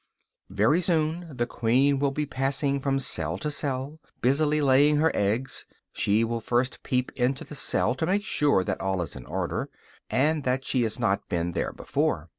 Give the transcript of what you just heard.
Very soon the queen will be passing from cell to cell, busily laying her eggs. She will first peep into the cell to make sure that all is in order, and that she has not been there before.